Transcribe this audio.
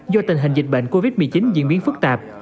do tình hình dịch bệnh covid một mươi chín diễn biến phức tạp